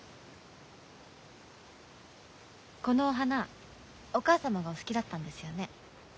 このお花お義母様がお好きだったんですよね？